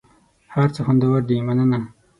هر څه خوندور دي مننه .